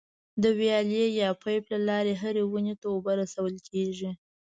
د ویالې یا پایپ له لارې هرې ونې ته اوبه رسول کېږي.